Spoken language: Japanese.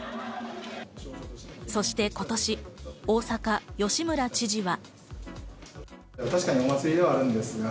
そして今年大阪吉村知事は。